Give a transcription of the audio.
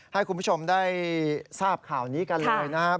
ให้คุณผู้ชมได้ทราบข่าวนี้กันเลยนะครับ